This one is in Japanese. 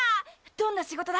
どんな仕事だ！？